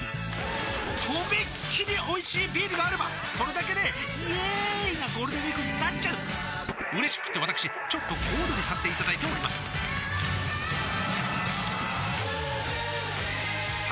とびっきりおいしいビールがあればそれだけでイエーーーーーイなゴールデンウィークになっちゃううれしくってわたくしちょっと小躍りさせていただいておりますさあ